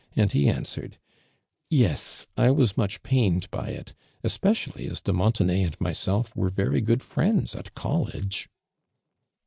and he answered :" Yes, I was much painetl by it, especially as de Montenay and myselt were very good friends at College."